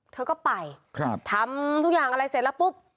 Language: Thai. เธอก็ไปครับทำทุกอย่างอะไรเสร็จแล้วปุ๊บ